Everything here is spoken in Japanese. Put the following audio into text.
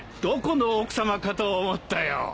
どこの奥さまかと思ったよ。